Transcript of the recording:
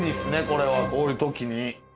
これはこういう時に。